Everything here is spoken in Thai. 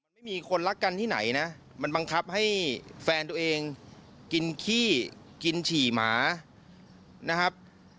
มันไม่มีคนรักกันที่ไหนนะมันบังคับให้แฟนตัวเองกินขี้กินฉี่หมานะครับ